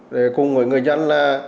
để cùng người dân